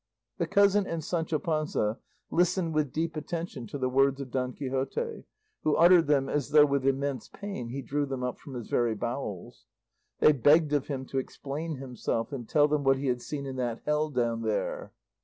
The cousin and Sancho Panza listened with deep attention to the words of Don Quixote, who uttered them as though with immense pain he drew them up from his very bowels. They begged of him to explain himself, and tell them what he had seen in that hell down there.